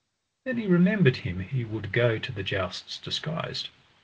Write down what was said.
Then he remembered him he would go to the jousts disguised.